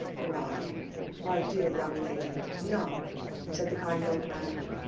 None, my dear young lady, none," said the kind old man.